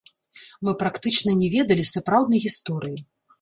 Мы практычна не ведалі сапраўднай гісторыі.